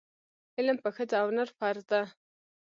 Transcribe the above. علم په ښځه او نر فرض ده.